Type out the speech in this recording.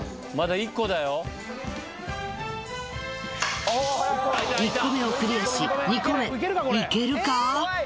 １個目をクリアし２個目いけるか？